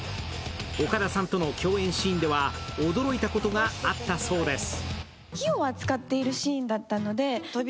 岡田さんとの共演シーンでは、驚いたことがあったそうです。